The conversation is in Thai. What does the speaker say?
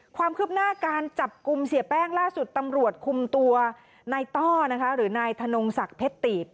ความคืบหน้าการจับกลุ่มเสียแป้งล่าสุดตำรวจคุมตัวนายต้อนะคะหรือนายธนงศักดิ์เพชรตีบ